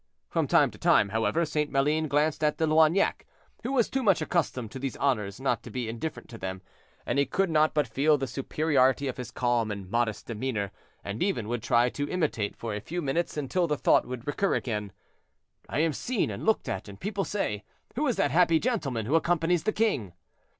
From time to time, however, St. Maline glanced at De Loignac, who was too much accustomed to these honors not to be indifferent to them; and he could not but feel the superiority of his calm and modest demeanor, and even would try to imitate, for a few minutes, until the thought would recur again, "I am seen and looked at, and people say, 'Who is that happy gentleman who accompanies the king?'"